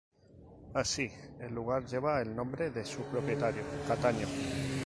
Así, el lugar lleva el nombre de su propietario, Cataño.